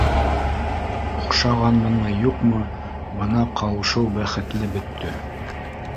— Оҡшамағанмы, юҡмы, бына ҡауышыу бәхетле бөттө